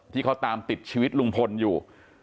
ที่เขาตามติดชีวิตลุงพลอยู่